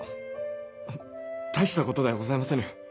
大したことではございませぬ。